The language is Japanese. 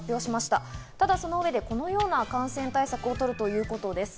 ただ、その上でこのような感染対策を取るということです。